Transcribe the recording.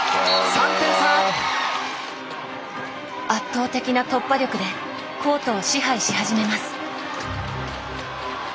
圧倒的な突破力でコートを支配し始めます。